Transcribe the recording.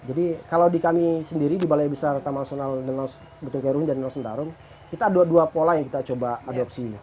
jadi kalau di kami sendiri di balai besar tamang sonal betul kairung dan danau sentarung kita ada dua pola yang kita coba adopsi